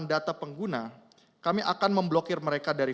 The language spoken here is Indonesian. wennboie yang lebih musik bahar tempat swim energizedmarkt